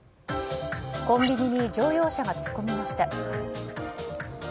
コンビニに乗用車が突っ込みました。